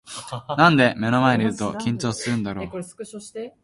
なんで目の前にいると緊張するんだろう